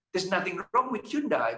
tidak ada yang salah dengan hyundai